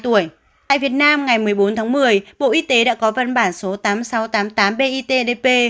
tại việt nam ngày một mươi bốn tháng một mươi bộ y tế đã có văn bản số tám nghìn sáu trăm tám mươi tám bitdp